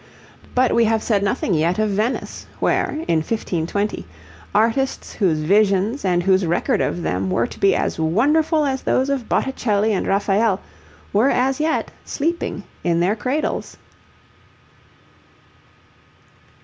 But we have said nothing yet of Venice, where, in 1520, artists whose visions and whose record of them were to be as wonderful as those of Botticelli and Raphael, were as yet sleeping in their cradles.